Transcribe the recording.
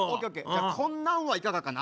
じゃこんなんはいかがかな？